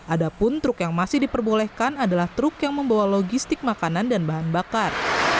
adapun truk yang masih diperbolehkan adalah truk yang membawa logistik makanan dan bahan bakar